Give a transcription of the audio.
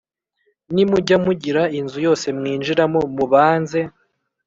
Nimujya mugira inzu yose mwinjiramo mubanze